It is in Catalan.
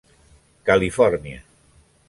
Califòrnia.